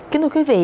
kính thưa quý vị